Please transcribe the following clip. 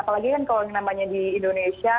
apalagi kan kalau yang namanya di indonesia